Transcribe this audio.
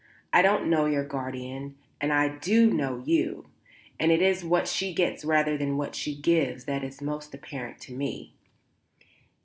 "I don't know your guardian, and I do know you, and it is what she gets rather than what she gives that is most apparent to me."